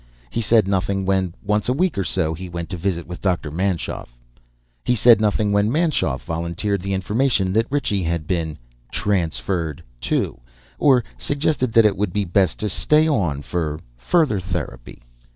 He said nothing when, once a week or so, he went in to visit with Dr. Manschoff. He said nothing when Manschoff volunteered the information that Ritchie had been "transferred" too, or suggested that it would be best to stay on for "further therapy."